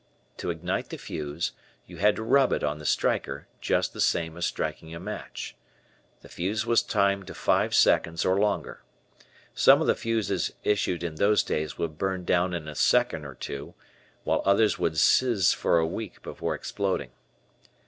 To ignite the fuse, you had to rub it on the "striker," just the same as striking a match. The fuse was timed to five seconds or longer. Some of the fuses issued in those days would burn down in a second or two, while others would "sizz" for a week before exploding.